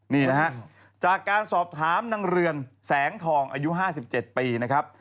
นี่นะฮะจากการสอบถามนางเรือนแสงทองอายุ๕๗ปีนะครับ